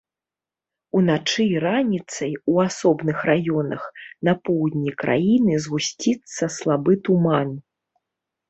Уначы і раніцай у асобных раёнах на поўдні краіны згусціцца слабы туман.